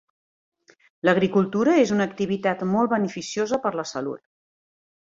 L'agricultura és una activitat molt beneficiosa per a la salut.